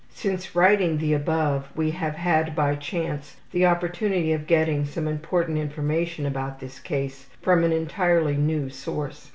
(Since writing the above, we have had, by chance, the opportunity of getting some important information about this case from an entirely new source.